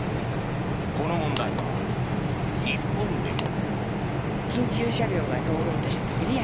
この問題は日本でも。